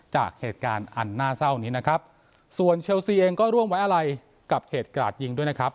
จากเหตุการณ์อันน่าเศร้านี้นะครับส่วนเชลซีเองก็ร่วมไว้อะไรกับเหตุกราดยิงด้วยนะครับ